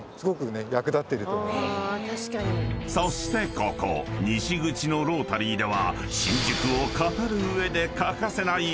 ［そしてここ西口のロータリーでは新宿を語る上で欠かせない］